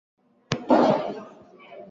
Achana naye hana nguvu